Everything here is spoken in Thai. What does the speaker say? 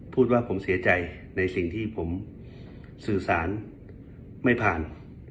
พูดว่าผมเสียใจในสิ่งที่ผมสื่อสารไม่ผ่าน